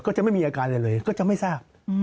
ก็จะไม่มีอาการอะไรเลยก็จะไม่ทราบ